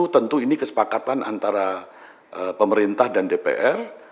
tentu ini kesepakatan antara pemerintah dan dpr